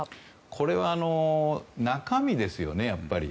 これは中身ですよね。